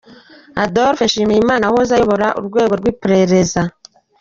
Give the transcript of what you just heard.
Adolphe Nshimirimana wahoze ayobora urwego rw’iperereza.